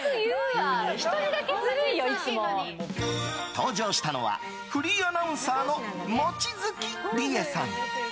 登場したのはフリーアナウンサーの望月理恵さん。